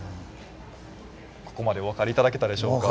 ここまでお分かり頂けたでしょうか？